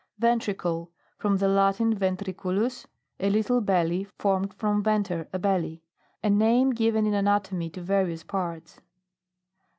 VENTRICLE. From the Latin, ventri culus, a little belly, formed from venter, a belly. A name given in anatomy to various parts.